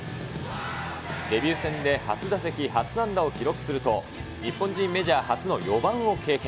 デビュー戦で初打席初安打を記録すると、日本人メジャー初の４番を経験。